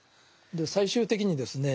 最終的にですね